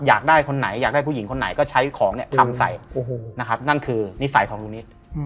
อยากได้คนไหนอยากได้ผู้หญิงคนไหนก็ใช้ของเนี่ยทำใส่นะครับนั่นคือนิสัยของลุงนิด